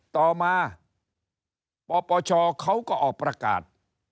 ต่อมาปปชเขาก็ออกประกาศ